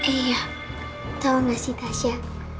iya tau nggak sih tasya